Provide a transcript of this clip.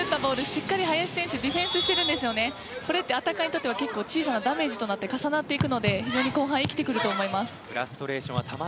しっかり林選手ディフェンスしているのでこれはアタッカーにとっては結構小さなダメージとなって重なっていくので非常に後半生きてくると思います。